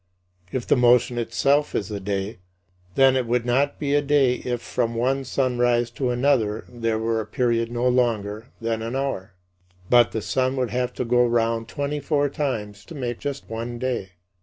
If the motion itself is the day, then it would not be a day if from one sunrise to another there were a period no longer than an hour. But the sun would have to go round twenty four times to make just one day.